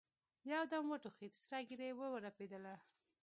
يودم وټوخېد سره ږيره يې ورپېدله.